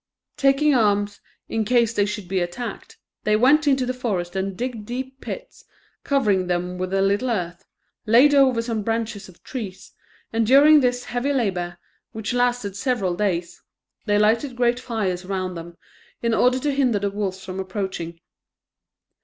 Taking arms, in case they should be attacked, they went into the forest and digged deep pits, covering them with a little earth, laid over some branches of trees; and during this heavy labour, which lasted several days, they lighted great fires around them, in order to hinder the wolves from approaching.